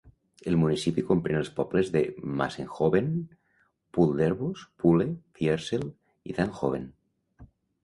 El municipi comprèn els pobles de Massenhoven, Pulderbos, Pulle, Viersel i Zandhoven.